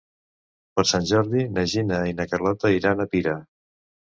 Per Sant Jordi na Gina i na Carlota iran a Pira.